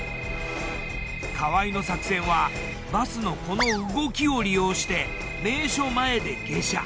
河合の作戦はバスのこの動きを利用して名所前で下車。